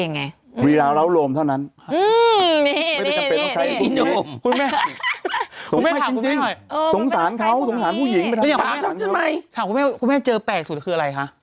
ขึ้นกับตัวเองไง